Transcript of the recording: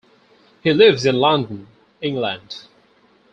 He lives in London, England.